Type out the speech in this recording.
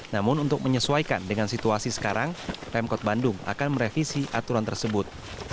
namun untuk menyesuaikan dengan situasi sekarang pemkot bandung akan merevisi aturan tersebut